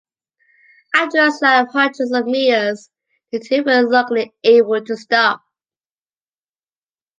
After a slide of hundreds of meters, the two were luckily able to stop.